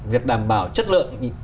việc đảm bảo chất lượng